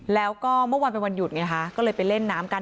แล้วก็เมื่อวานเป็นวันหยุดไงคะก็เลยไปเล่นน้ำกัน